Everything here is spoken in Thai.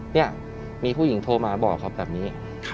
เนี่ยมีผู้หญิงโทรมาบอกเขาแบบนี้